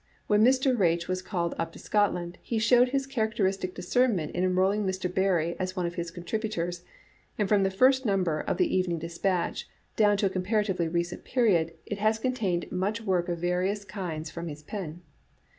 When Mr. Riach was called up to Scotland, he showed his charac teristic discernment in enrolling Mr. Barrie as one of his contributors, and from the first number of the Even Digitized by VjOOQ IC }* A. J9atde. zzl ing Dispatch down to a comparatively recent period it has contained much work of various kinds from his pen.